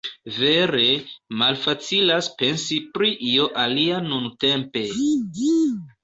Vere, malfacilas pensi pri io alia nuntempe...